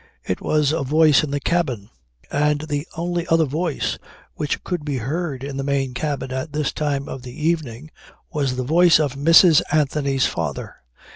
It was a voice in the cabin. And the only other voice which could be heard in the main cabin at this time of the evening was the voice of Mrs. Anthony's father.